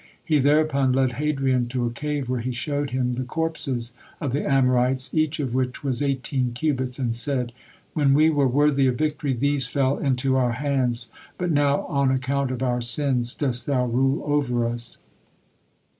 He thereupon led Hadrian to a cave where he showed him the corpses of the Amorites, each of which was eighteen cubits, and said: "When we were worthy of victory, these fell into our hands, but now, on account of our sins, dost thou rule over us."